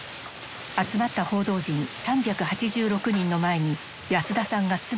集まった報道陣３８６人の前に安田さんが姿を見せる。